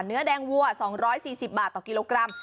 เนื้อแดงวัว๒๔๐บาทต่อกิโลกรัม